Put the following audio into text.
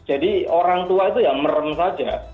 jadi orang tua itu ya merem saja